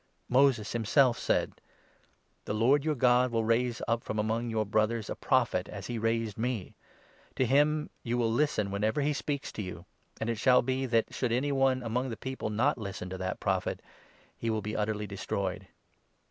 Moses himself said — 22 4 The Lord your God will raise up from among your brothers a Prophet, as he raised me. To him you will listen when ever he speaks to you. And it shall be that should any one 23 among the people not listen to that Prophet, he will be utterly destroyed.'